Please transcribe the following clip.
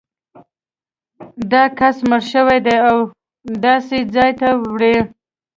دا کس مړ شوی دی او داسې ځای ته یې وړي.